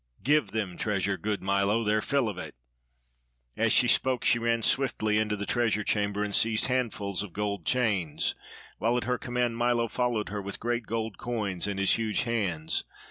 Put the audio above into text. Give them treasure, good Milo their fill of it." As she spoke she ran swiftly into the treasure chamber and seized handfuls of gold chains, while at her command Milo followed her with great gold coins in his huge hands.